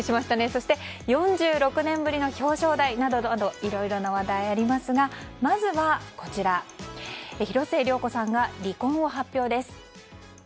そして４６年ぶりの表彰台などいろんな話題がありますがまずは広末涼子さんが離婚を発表です。